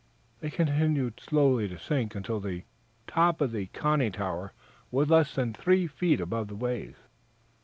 They continued slowly to sink until the top of the conning tower was less than three feet above the waves.